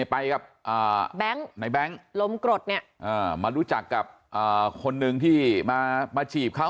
ไปกับแบงค์รมกรดมารู้จักกับคนนึงที่มาฉีบเขา